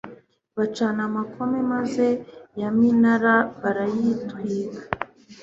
bacana amakome maze ya minara barayitwika